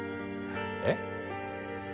えっ？